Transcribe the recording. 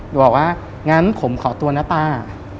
บอกว่างั้นผมขอตัวนะตา